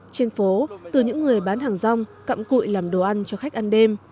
trên phố từ những người bán hàng rong cặm cụi làm đồ ăn cho khách ăn đêm